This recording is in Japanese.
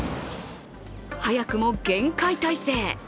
早くも厳戒態勢。